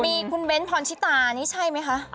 มีคุณเบ้นพรชิตานี่ใช่ไหมคะ